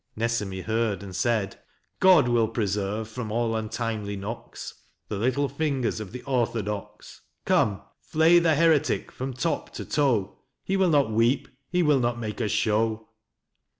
Nesemi heard and said : God will preserve from all untimely knocks The little fingers of the Orthodox. Come, flay the Heretic from top to toe ! He will not weep : he will not make a show.